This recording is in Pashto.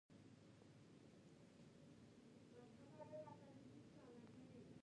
افغانستان تر هغو نه ابادیږي، ترڅو سیاسي ګوندونه ملي نشي.